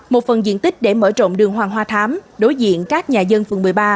một phần diện tích để mở rộng đường hoàng hoa thám đối diện các nhà dân phường một mươi ba